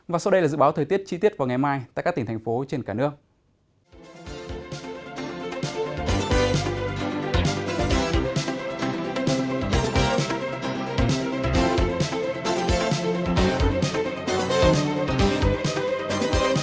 và sau đây là dự báo thời tiết chi tiết vào ngày mai tại các tỉnh thành phố trên cả nước